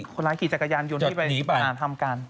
คนร้ายกี่จากกระยานยนต์ให้ไปทำการ